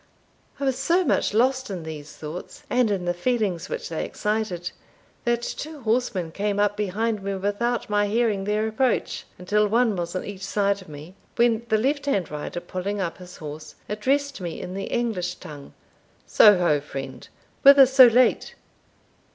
I was so much lost in these thoughts, and in the feelings which they excited, that two horsemen came up behind me without my hearing their approach, until one was on each side of me, when the left hand rider, pulling up his horse, addressed me in the English tongue "So ho, friend! whither so late?"